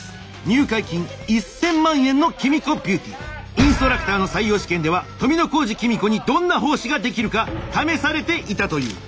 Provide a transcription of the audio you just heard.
インストラクターの採用試験では富小路公子にどんな奉仕ができるか試されていたという。